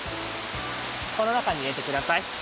このなかにいれてください。